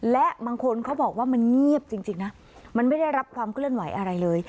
และบางคนเขาบอกว่ามันเงียบจริงนะมันไม่ได้รับความเคลื่อนไหวอะไรเลย